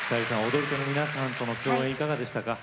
踊り手の皆さんとの共演いかがでしたか？